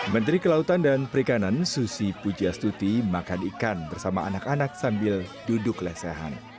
menteri kelautan dan perikanan susi pujiastuti makan ikan bersama anak anak sambil duduk lesehan